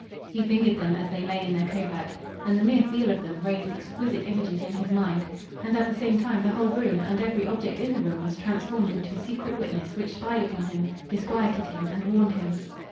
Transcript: He fingered them as they lay in their covert, and the mere feel of them, raised exquisite images in his mind; and at the same time the whole room and every object in the room was transformed into a secret witness which spied upon him, disquieted him, and warned him.